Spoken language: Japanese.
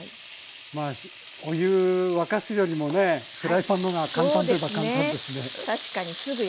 お湯沸かすよりもねフライパンの方が簡単といえば簡単ですね。